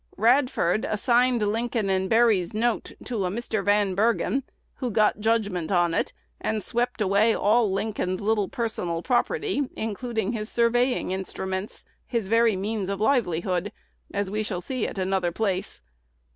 Radford assigned Lincoln & Berry's note to a Mr. Van Bergen, who got judgment on it, and swept away all Lincoln's little personal property, including his surveying instruments, his very means of livelihood, as we shall see at another place.